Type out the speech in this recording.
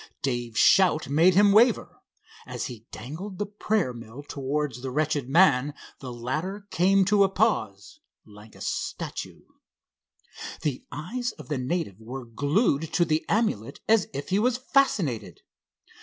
Dave's shout made him waver. As he dangled the prayer mill towards the wretched man, the latter came to a pause like a statue. The eyes of the native were glued to the amulet as if he was fascinated.